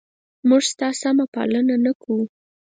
موږ ستا سمه پالنه نه کوو؟